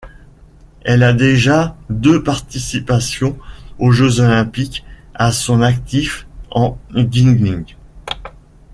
Elle a déjà deux participations aux Jeux olympiques à son actif en Yngling.